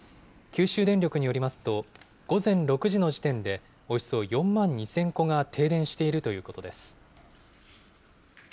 九州電力によりますと、午前６時の時点で、およそ４万２０００戸が停電しているということです。